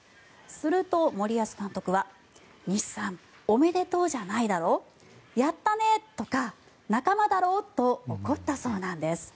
すると、森保監督は西さん、おめでとうじゃないだろやったねとか、仲間だろと怒ったそうなんです。